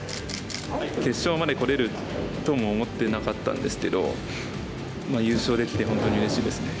決勝までこれるとも思ってなかったんですけど優勝できて本当にうれしいですね。